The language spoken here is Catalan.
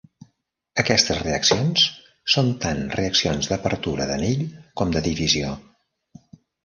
Aquestes reaccions són tant reaccions d'apertura d'anell com de divisió.